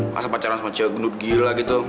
masa pacaran sama cewek gendut gila gitu